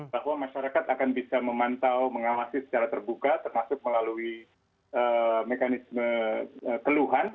bahwa masyarakat akan bisa memantau mengawasi secara terbuka termasuk melalui mekanisme keluhan